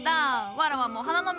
わらわも花の都